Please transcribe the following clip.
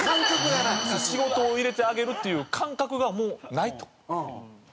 仕事を入れてあげるっていう感覚がもうないと。って言われて。